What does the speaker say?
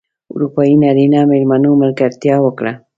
اروپايي نرینه مېلمنو ملګرتیا وکړه.